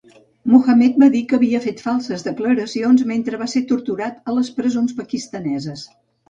Mohamed va dir que havia fet falses declaracions mentre va ser torturat a les presons pakistaneses.